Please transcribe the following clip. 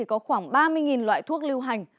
có khoảng ba mươi loại thuốc lưu hành